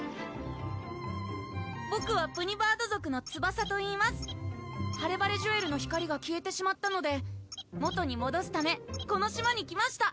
ボクはプニバード族のツバサといいますハレバレジュエルの光が消えてしまったので元にもどすためこの島に来ました